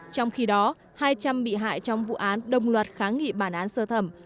trong khi đó hai trăm linh bị hại trong vụ án đồng loạt kháng nghị bản án sơ thẩm